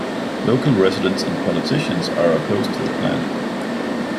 Local residents and politicians are opposed to the plan.